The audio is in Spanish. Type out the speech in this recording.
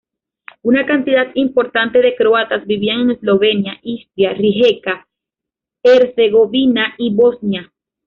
Una cantidad importante de croatas vivía en Eslovenia, Istria, Rijeka, Herzegovina y Bosnia.